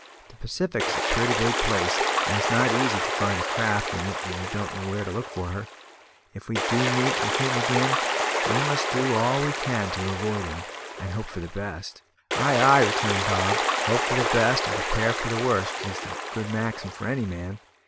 The Pacific is a pretty big place, and it's not so easy to find a craft in it when you don't know where to look for her. If we do meet with him again, we must do all we can to avoid him, and hope for the best." "Ay, ay," returned Bob, "`hope for the best and prepare for the worst' is a good maxim for any man.